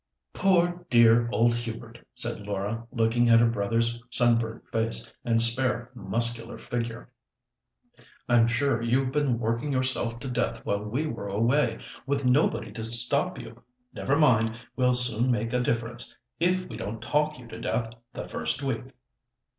"Poor, dear old Hubert!" said Laura, looking at her brother's sun burnt face, and spare, muscular figure; "I'm sure you've been working yourself to death while we were away, with nobody to stop you. Never mind, we'll soon make a difference—if we don't talk you to death the first week."